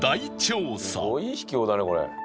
すごい秘境だねこれ。